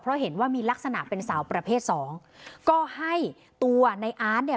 เพราะเห็นว่ามีลักษณะเป็นสาวประเภทสองก็ให้ตัวในอาร์ตเนี่ย